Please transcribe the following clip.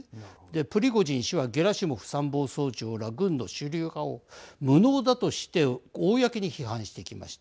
プリゴージン氏はゲラシモフ参謀総長ら軍の主流派を無能だとして公に批判してきました。